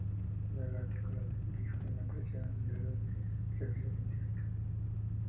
Nueve artículos de Griffin aparecieron en diversas revistas científicas.